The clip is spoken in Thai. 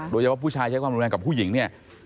โดยเฉพาะผู้ชายใช้ความรุนแรงกับผู้หญิงเนี่ย